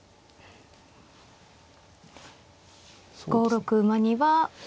５六馬には。